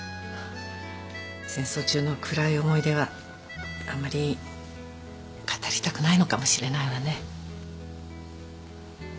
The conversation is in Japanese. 戦争中の暗い思い出はあんまり語りたくないのかもしれないわね。